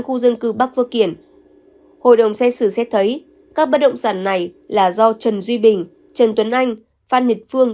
khu dân cư bắc vô kiểm hội đồng xét xử xét thấy các bất động sản này là do trần duy bình trần tuấn anh phan nhật phương